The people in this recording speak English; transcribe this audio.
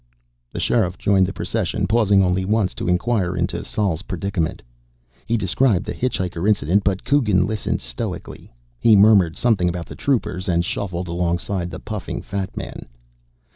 The Sheriff joined the procession, pausing only once to inquire into Sol's predicament. He described the hitchhiker incident, but Coogan listened stoically. He murmured something about the Troopers, and shuffled alongside the puffing fat man.